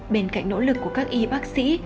bên cạnh nỗ lực của các y bác sĩ